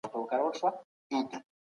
هغې سالم ژوند غوره کړی دی.